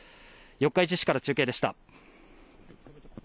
四日市市から中継でした。